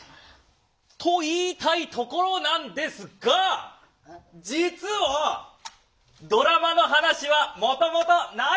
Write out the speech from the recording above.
と言いたいところなんですが実はドラマの話はもともとないんです。